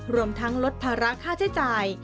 รวมทั้งลดภาระค่าใช้จ่าย